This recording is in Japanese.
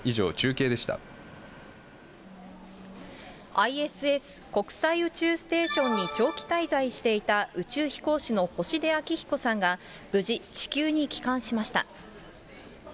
ＩＳＳ・国際宇宙ステーションに長期滞在していた宇宙飛行士の星出彰彦さんが、無事、地球に帰還しました。